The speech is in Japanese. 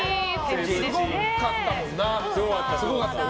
すごかったもんね。